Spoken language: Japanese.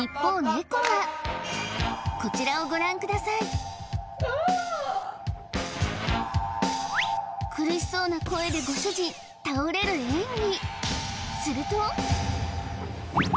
こちらをご覧ください苦しそうな声でご主人倒れる演技